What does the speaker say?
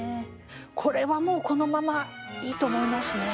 これはもうこのままいいと思いますね。